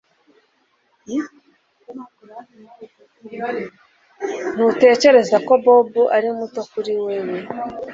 Ntutekereza ko Bobo ari muto kuri wewe